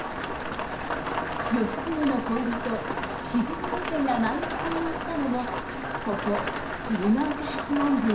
義経の恋人静御前が舞を奉納したのもここ鶴岡八幡宮。